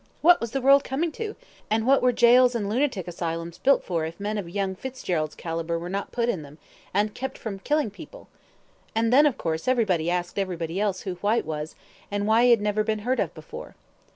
What was the world coming to, and what were gaols and lunatic asylums built for if men of young Fitzgerald's calibre were not put in them, and kept from killing people? And then, of course, everybody asked everybody else who Whyte was, and why he had never been heard of before.